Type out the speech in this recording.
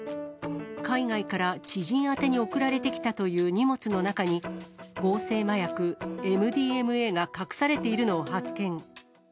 海外から知人宛てに送られてきたという荷物の中に、合成麻薬ＭＤＭＡが隠されているのを発見。